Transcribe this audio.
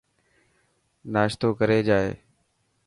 ناشتوي ڪري جائي.